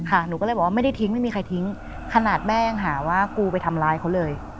หนูก็เลยบอกว่าไม่ได้ทิ้งไม่มีใครทิ้งขนาดแม่ยังหาว่ากูไปทำร้ายเขาเลย